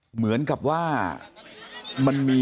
เหมือนกับว่ามันมี